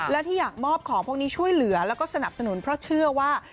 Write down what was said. และที่อยากมอบของพวกนี้ช่วยเหลือแล้วก็สนับสนุนเพราะเชื่อว่า